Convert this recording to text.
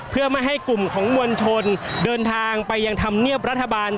เพื่อไม่ให้กลุ่มของมวลชนเดินทางไปยังธรรมเนียบรัฐบาล